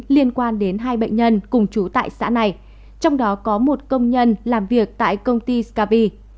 liên quan đến hai bệnh nhân cùng chú tại xã này trong đó có một công nhân làm việc tại công ty scapi